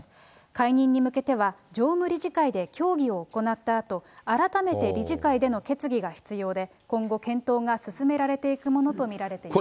解任に向けては、常務理事会で協議を行ったあと、改めて理事会での決議が必要で、今後、検討が進められていくものと見られています。